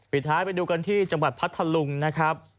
สุดท้ายไปดูกันที่จังหวัดพัทธลุงนะครับ